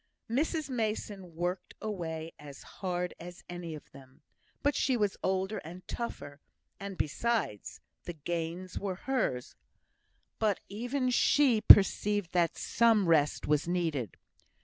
Mrs Mason worked away as hard as any of them; but she was older and tougher; and, besides, the gains were hers. But even she perceived that some rest was needed.